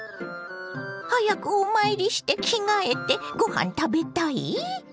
早くお参りして着替えてごはん食べたい？